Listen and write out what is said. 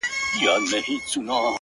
لكه ملا-